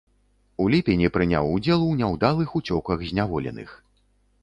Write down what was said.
У ліпені прыняў удзел у няўдалых уцёках зняволеных.